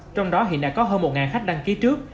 trong đó hiện đã có hơn một khách đăng ký trước